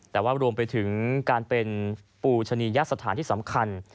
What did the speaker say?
แต่ว่ารวมไปถึงการเป็นปูชนียสถานที่สำคัญ